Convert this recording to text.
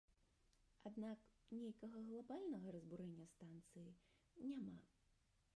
Аднак нейкага глабальнага разбурэння станцыі няма.